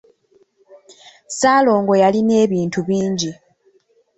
Ssaalongo yalina ebintu bingi.